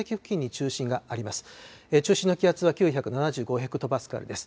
中心の気圧は９７５ヘクトパスカルです。